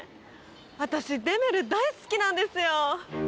私デメル大好きなんですよ